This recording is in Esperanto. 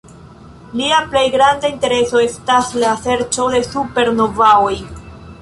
Lia plej granda intereso estas la serĉo de supernovaoj.